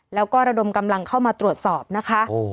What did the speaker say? แล้วก็ระดมกำลังเข้ามาตรวจสอบนะคะ